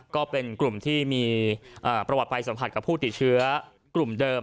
ก็เป็นกลุ่มที่มีประวัติไปสัมผัสกับผู้ติดเชื้อกลุ่มเดิม